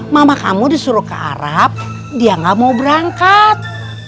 mama kamu disuruh ke arab dia gak mau berangkat